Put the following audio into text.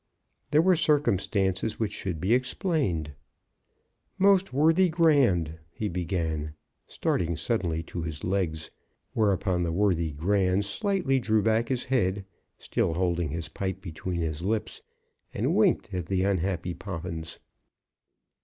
There were circumstances which should be explained. "Most worthy Grand, " he began, starting suddenly to his legs; whereupon the worthy Grand slightly drew back his head, still holding his pipe between his lips, and winked at the unhappy Poppins.